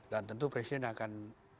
dan tentu presiden akan